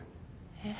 えっ？